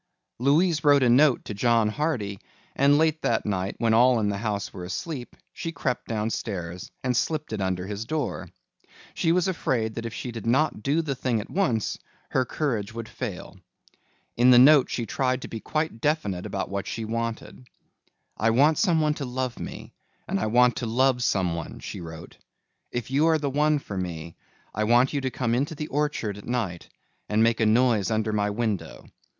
Louise wrote a note to John Hardy and late that night, when all in the house were asleep, she crept downstairs and slipped it under his door. She was afraid that if she did not do the thing at once her courage would fail. In the note she tried to be quite definite about what she wanted. "I want someone to love me and I want to love someone," she wrote. "If you are the one for me I want you to come into the orchard at night and make a noise under my window.